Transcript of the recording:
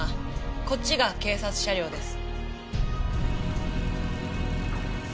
こっちが警察車両です。